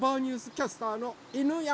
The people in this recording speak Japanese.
キャスターの犬山